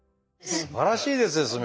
すばらしいですね。